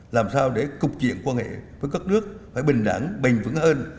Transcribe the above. làm sao để cục chuyện quan hệ với các nước phải bình đẳng bình vững hơn